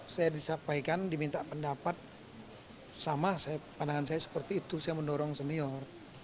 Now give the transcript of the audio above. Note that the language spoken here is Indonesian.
saya disampaikan diminta pendapat sama pandangan saya seperti itu saya mendorong senior